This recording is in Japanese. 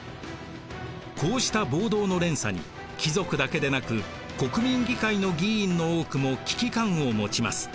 こうした暴動の連鎖に貴族だけでなく国民議会の議員の多くも危機感を持ちます。